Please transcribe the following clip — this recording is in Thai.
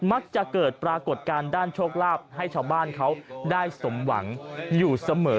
มักจะเกิดปรากฏการณ์ด้านโชคลาภให้ชาวบ้านเขาได้สมหวังอยู่เสมอ